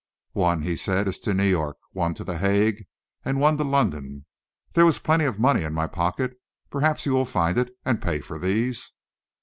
"One," he said, "is to New York, one to The Hague, and one to London. There was plenty of money in my pocket. Perhaps you will find it and pay for these."